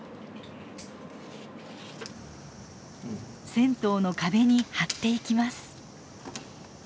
銭湯の壁に貼っていきます。